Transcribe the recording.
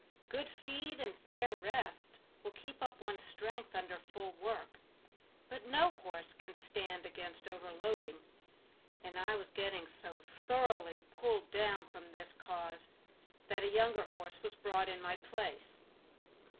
Good feed and fair rest will keep up one's strength under full work, but no horse can stand against overloading; and I was getting so thoroughly pulled down from this cause that a younger horse was bought in my place.